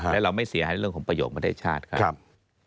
และเราไม่เสียหายเรื่องของประโยคประเทศชาติครับ